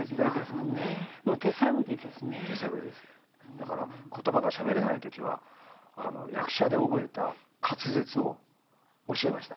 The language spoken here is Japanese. だから言葉がしゃべれない時は役者で覚えた滑舌を教えました。